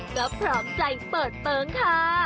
ก็พร้อมใจเปิดเปิงค่ะ